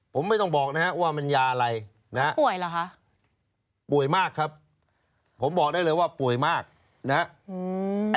ผมไม่ต้องบอกนะครับว่ามันยาอะไรนะครับป่วยมากครับผมบอกได้เลยว่าป่วยมากนะครับ